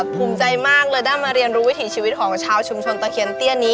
กลับมาเรียนรู้วิถีชีวิตของชาวชุมชนตะเคียนเตี้ยหนี้